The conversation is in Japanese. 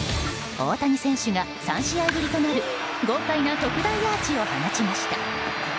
大谷選手が３試合ぶりとなる豪快な特大アーチを放ちました。